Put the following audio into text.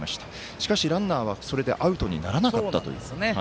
しかしランナーは、それでアウトにならなかったという。